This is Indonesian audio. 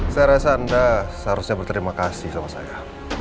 saya rasa anda seharusnya berterima kasih sama saya